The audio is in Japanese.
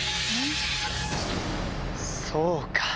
そうか！